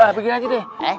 begitu aja deh